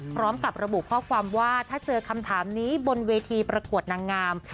พร้อมกับระบุข้อความว่าถ้าเจอคำถามนี้บนเวทีประกวดนางงาม